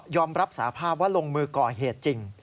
รับสาภาพว่าลงมือก่อเหตุจริง